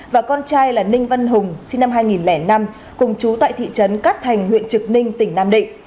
và con trai là ninh văn hùng sinh năm hai nghìn năm cùng chú tại thị trấn cát thành huyện trực ninh tỉnh nam định